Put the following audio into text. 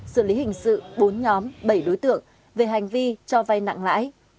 xử lý hình sự bốn nhóm bảy đối tượng về hành vi cho vay nặng lãi